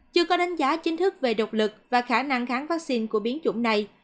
chưa có đánh giá chính thức về độc lực và khả năng kháng vaccine của biến chủng này